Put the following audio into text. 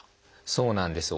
そうなんです。